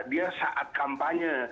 dia saat kampanye